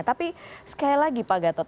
tapi sekali lagi pak gatot